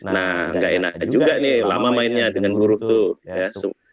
nah nggak enak juga nih lama mainnya dengan buruh tuh ya